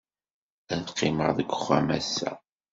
Ad qqimeɣ deg uxxam ass-a.